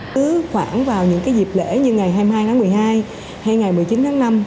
cứ khoảng vào những dịp lễ như ngày hai mươi hai tháng một mươi hai hay ngày một mươi chín tháng năm